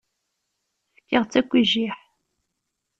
Fkiɣ-tt akk i jjiḥ.